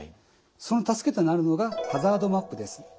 その助けとなるのがハザードマップです。